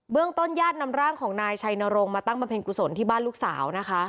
ต้นญาตินำร่างของนายชัยนรงค์มาตั้งบำเพ็ญกุศลที่บ้านลูกสาวนะคะ